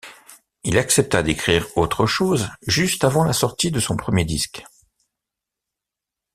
Il accepta d'écrire autre chose, juste avant la sortie de son premier disque.